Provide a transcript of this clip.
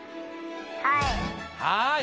はい。